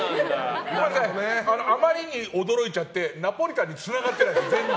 あまりに驚いちゃってナポリタンにつながってない全然。